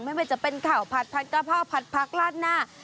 ไม่ไปจะเป็นขาวผัดผัดกาเปาผัดพลาดหน้า